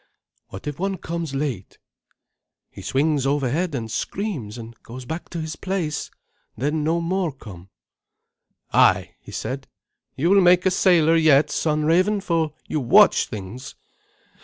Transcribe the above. "What if one comes late?" "He swings overhead and screams, and goes back to his place; then no more come." "Ay," he said; "you will make a sailor yet, son Raven, for you watch things.